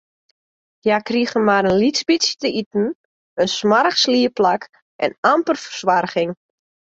Hja krigen mar in lyts bytsje te iten, in smoarch sliepplak en amper fersoarging.